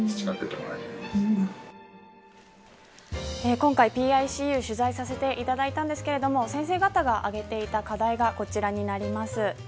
今回ＰＩＣＵ取材させていただいたんですけど先生方が挙げていた課題がこちらになります。